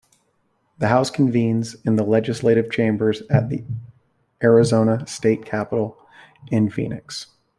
The House convenes in the legislative chambers at the Arizona State Capitol in Phoenix.